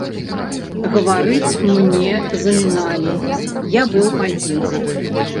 Гаварыць мне заміналі, я быў адзін.